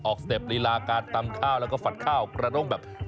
สเต็ปลีลาการตำข้าวแล้วก็ฝัดข้าวกระด้งแบบ